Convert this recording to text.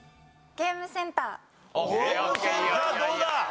ゲームセンターどうだ？